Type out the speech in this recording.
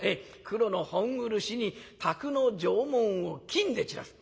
黒の本漆に宅の定紋を金で散らす。